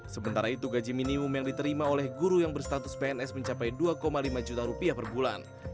sementara itu gaji minimum yang diterima oleh guru yang berstatus pns mencapai dua lima juta rupiah per bulan